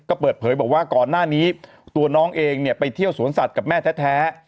ก็เปิดเผยบอกว่าก่อนหน้านี้ตัวน้องเองเนี่ยไปเที่ยวสวนสัตว์กับแม่แท้